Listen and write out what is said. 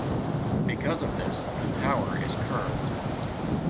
Because of this, the tower is curved.